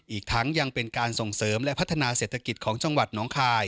อีกทั้งยังเป็นการส่งเสริมและพัฒนาเศรษฐกิจของจังหวัดน้องคาย